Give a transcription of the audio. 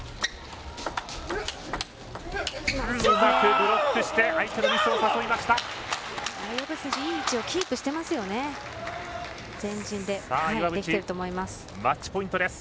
ブロックして相手のミスを誘いました。